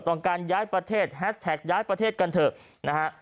การย้ายประเทศแฮสแท็กย้ายประเทศกันเถอะนะฮะ